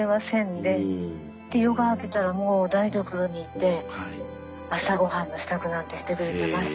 でで夜が明けたらもうお台所にいて朝ごはんの支度なんてしてくれてました。